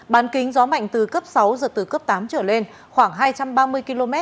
bán kính gió mạnh từ cấp sáu giật từ cấp tám trở lên khoảng hai trăm ba mươi km